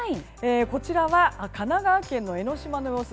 こちらは神奈川県の江の島の様子。